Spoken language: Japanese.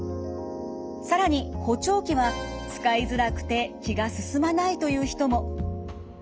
更に補聴器は使いづらくて気が進まないという人も。